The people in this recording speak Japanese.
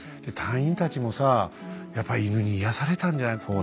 隊員たちもさやっぱ犬に癒やされたんじゃない？